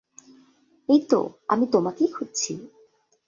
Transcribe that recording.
এইতো, আমি তোমাকেই খুঁজছি।